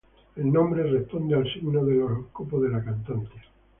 El nombre responde al signo del horóscopo de la cantante.